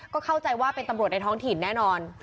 ก็เข้าใจว่าเป็นตำรวจในท้องถิ่นแน่นอน